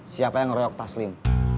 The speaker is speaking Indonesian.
siapa yang reyok taslim